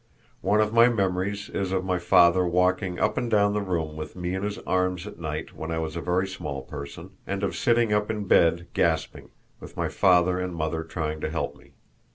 One of my memories is of my father walking up and down the room with me in his arms at night when I was a very small person, and of sitting up in bed gasping, with my father and mother trying to help me.